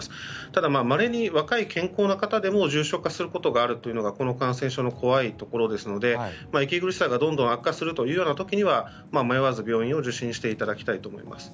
ただ、まれに若い健康な方でも重症化することがあるというのがこの感染症の怖いところですので息苦しさがどんどん悪化するような時には迷わず病院を受診していただきたいと思います。